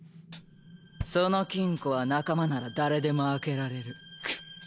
その金庫は仲間なら誰でも開けられる。